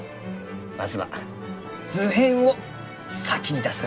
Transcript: まずは図編を先に出すがじゃ。